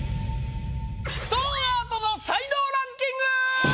ストーンアートの才能ランキング！